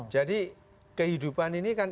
jadi kehidupan ini kan